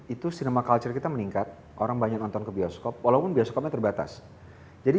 itu sinema culture kita meningkat orang banyak nonton ke bioskop walaupun bioskopnya terbatas jadi